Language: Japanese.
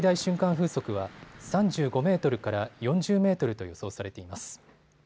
風速は３５メートルから４０メートルと予想されています。